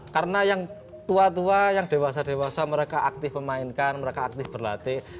karena yang tua tua yang dewasa dewasa mereka aktif memainkan mereka aktif berlatih